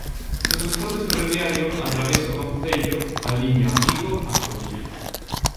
No transporte ferroviario atravesa o concello a liña Vigo-A Coruña.